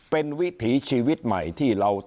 เป็นวิถีชีวิตใหม่ที่เราจะสร้าง